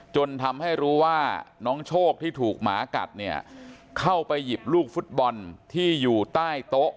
จนทำให้รู้ว่าน้องโชคที่ถูกหมากัดเนี่ยเข้าไปหยิบลูกฟุตบอลที่อยู่ใต้โต๊ะ